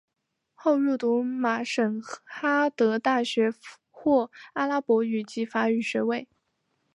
后入读马什哈德大学获阿拉伯语及法语学位。